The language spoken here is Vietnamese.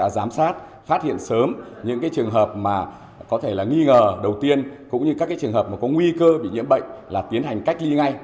giám sát phát hiện sớm những trường hợp nghi ngờ đầu tiên cũng như các trường hợp có nguy cơ bị nhiễm bệnh là tiến hành cách ly ngay